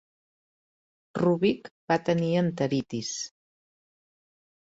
Robic va tenir enteritis.